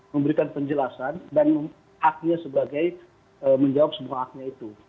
memberikan penjelasan dan aknya sebagai menjawab semua aknya itu